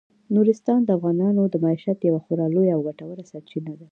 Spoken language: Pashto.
نورستان د افغانانو د معیشت یوه خورا لویه او ګټوره سرچینه ده.